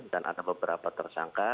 dan ada beberapa tersangka